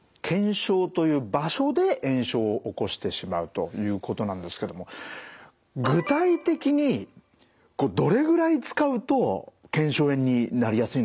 腱鞘という場所で炎症を起こしてしまうということなんですけども具体的にどれぐらい使うと腱鞘炎になりやすいのか？